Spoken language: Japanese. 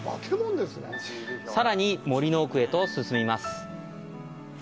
さらに森の奥へと進みます。